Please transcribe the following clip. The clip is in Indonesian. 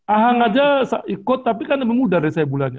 ahang aja ikut tapi kan emang udah deh saya bulannya